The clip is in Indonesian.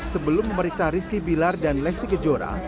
sebelum memeriksa rizky bilar dan lesti kejora